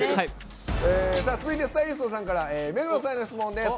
続いてスタイリストさんから目黒さんへの質問です。